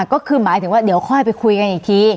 ก็คือหมายถึงว่าเดี๋ยวค่อยไปคุยกันอีกที